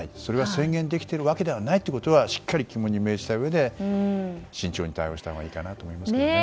宣言できているわけではないとしっかり肝に銘じたうえで慎重に対応したほうがいいかなと思いますね。